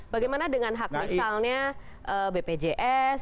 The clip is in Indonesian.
bagaimana dengan hak misalnya bpjs